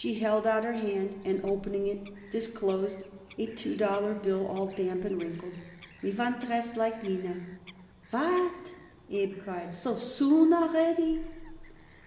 She held out her hand and, opening it, disclosed a two dollar bill all damp and wrinkled. "Me want dress like Lina." "What!" Abe cried. "So soon already!"